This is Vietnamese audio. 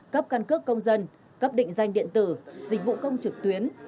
cấp căn cước công dân cấp định danh điện tử dịch vụ công trực tuyến